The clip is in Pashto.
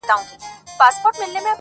خدایه چیري په سفر یې؟ له عالمه له امامه